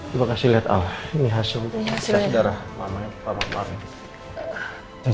coba kasih lihat al ini hasil ses darah mamanya kemarin